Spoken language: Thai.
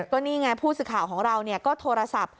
ตอนนี้ไงพูดสึกข่าวของเราก็โทรศัพท์